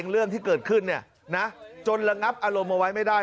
เรื่องที่เกิดขึ้นจนระงับอารมณ์เอาไว้ไม่ได้